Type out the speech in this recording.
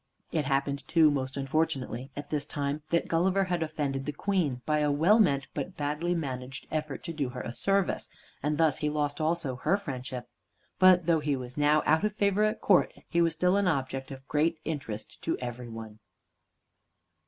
It happened too, most unfortunately, at this time, that Gulliver had offended the Queen by a well meant, but badly managed, effort to do her a service, and thus he lost also her friendship. But though he was now out of favor at court, he was still an object of great interest to every one.